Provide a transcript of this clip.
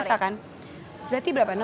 suamanya yang pertama lewat porno